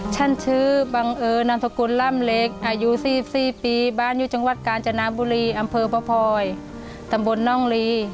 ชื่อบังเอิญนามสกุลล่ำเล็กอายุ๔๔ปีบ้านอยู่จังหวัดกาญจนาบุรีอำเภอพระพลอยตำบลน่องลี